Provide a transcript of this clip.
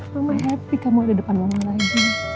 mama happy kamu ada depan rumah lagi